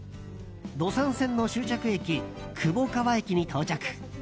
土讃線の終着駅・窪川駅に到着。